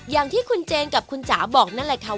อย่างที่คุณเจนกับคุณจ๋าบอกนั่นแหละค่ะ